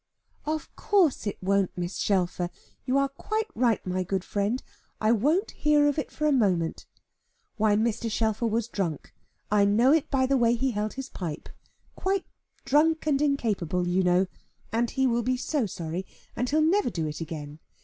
"Of course it won't, Mrs. Shelfer. You are quite right, my good friend. I won't hear of it for a moment. Why Mr. Shelfer was drunk. I know it by the way he held his pipe. Quite 'drunk and incapable,' you know. And he will be so sorry, and he'll never do it again.